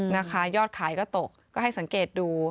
นะคะยอดขายก็ตกก็ให้สังเกตดู